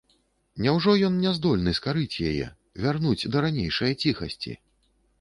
Няўжо ён не здольны скарыць яе, вярнуць да ранейшае ціхасці?